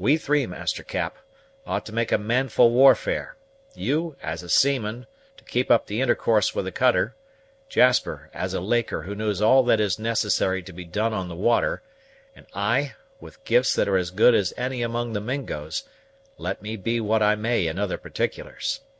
We three, Master Cap, ought to make a manful warfare: you, as a seaman, to keep up the intercourse with the cutter; Jasper, as a laker who knows all that is necessary to be done on the water; and I, with gifts that are as good as any among the Mingos, let me be what I may in other particulars.